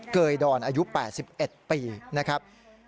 เกยดอนอายุ๘๑ปีนะครับ